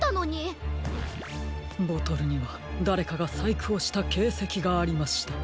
ボトルにはだれかがさいくをしたけいせきがありました。